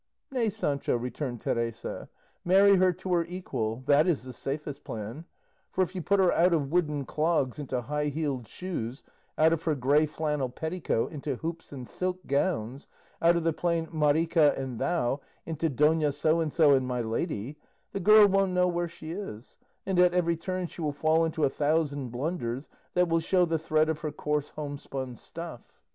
"Nay, Sancho," returned Teresa; "marry her to her equal, that is the safest plan; for if you put her out of wooden clogs into high heeled shoes, out of her grey flannel petticoat into hoops and silk gowns, out of the plain 'Marica' and 'thou,' into 'Dona So and so' and 'my lady,' the girl won't know where she is, and at every turn she will fall into a thousand blunders that will show the thread of her coarse homespun stuff."